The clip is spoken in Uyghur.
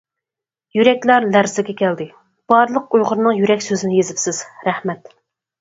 يۈرەكلەر لەرزىگە كەلدى، بارلىق ئۇيغۇرنىڭ يۈرەك سۆزىنى يېزىپسىز، رەھمەت.